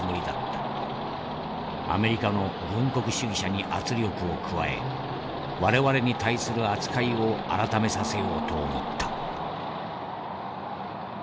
アメリカの軍国主義者に圧力を加え我々に対する扱いを改めさせようと思った」。